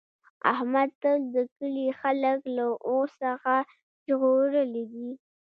احمد تل د کلي خلک له اور څخه ژغورلي دي.